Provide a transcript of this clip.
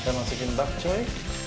dan masukin bakcoy